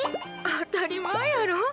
当たり前やろ。